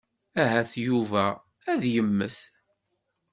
Ahat Yuba ad yemmet.